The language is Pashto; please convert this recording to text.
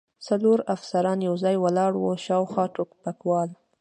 څلور افسران یو ځای ولاړ و، شاوخوا ټوپکوال.